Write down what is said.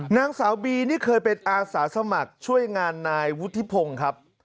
นางสาวบีนี่เคยเป็นอาสาสมัครช่วยงานนายวุฒิพงศ์ครับ